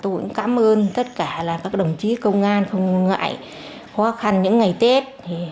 tôi cũng cảm ơn tất cả là các đồng chí công an không ngại khó khăn những ngày tết